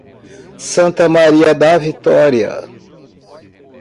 Santa Maria da Vitória